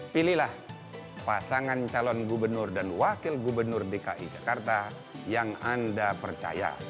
pilihlah pasangan calon gubernur dan wakil gubernur dki jakarta yang anda percaya